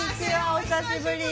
お久しぶり。